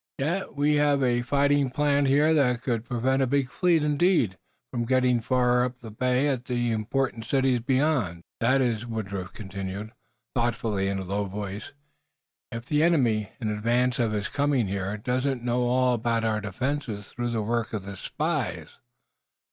"Yet we have a fighting plant here that could prevent a big fleet, indeed, from getting far up the bay at the important cities beyond. That is," Woodruff continued, thoughtfully, in a low voice, "if the enemy, in advance of his coming here, doesn't know all about our defenses through the work of spies."